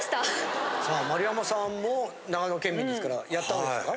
さあ丸山さんも長野県民ですからやったんですか？